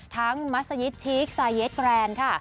มัศยิตชีคซาเยสแกรนด์ค่ะ